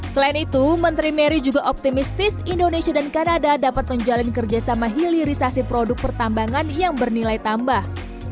selain itu menteri mary juga optimistis indonesia dan kanada dapat menjalin kerjasama hilirisasi produk pertambangan yang bernilai tambah